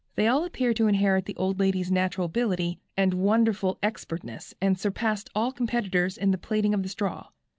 They all appeared to inherit the old lady's natural ability and wonderful expertness, and surpassed all competitors in the plaiting of the straw.